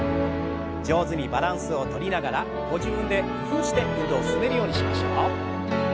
上手にバランスをとりながらご自分で工夫して運動を進めるようにしましょう。